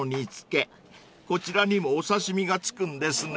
［こちらにもお刺身が付くんですね］